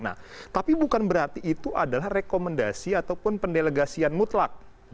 nah tapi bukan berarti itu adalah rekomendasi ataupun pendelegasian mutlak